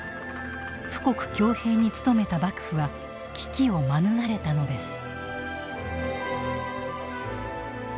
富国強兵に努めた幕府は危機を免れたのです。